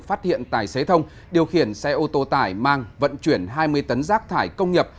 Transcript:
phát hiện tài xế thông điều khiển xe ô tô tải mang vận chuyển hai mươi tấn rác thải công nghiệp